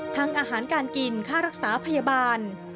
อาหารการกินค่ารักษาพยาบาล